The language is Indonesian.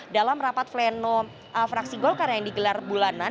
dalam rapat pleno fraksi golkar yang digelar bulanan